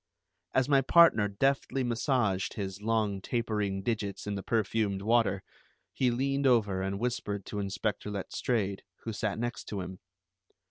As my partner deftly massaged his long tapering digits in the perfumed water, he leaned over and whispered to Inspector Letstrayed, who sat next to him.